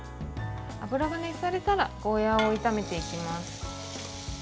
油が熱されたらゴーヤーを炒めていきます。